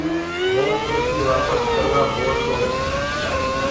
مينٚ ڪُرسي وآپس ڪروآ گو تو۔